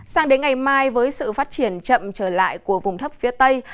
sang đến ngày mai với sự phát triển chậm trở lại của vùng thấp phía tây